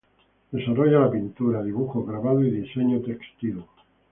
Desarrolla la pintura, dibujo, grabado y diseño textil.